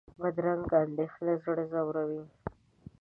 بدرنګه اندېښنې زړه ځوروي